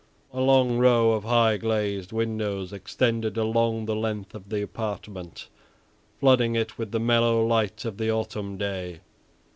A long row of high glazed windows extended along the length of the apartment, flooding it with the mellow light of the autumn day.